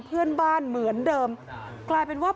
เพื่อนบ้านเหมือนเดิมกลายเป็นว่า